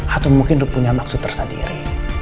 atau mungkin dia punya maksud tersendiri